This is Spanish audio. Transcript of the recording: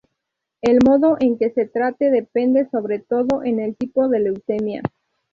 El modo en que se trate depende sobre todo en el tipo de leucemia.